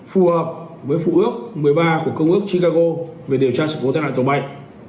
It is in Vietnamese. phù hợp với phụ ước một mươi ba của công ước chicago về điều tra sự cố tên là tổ bay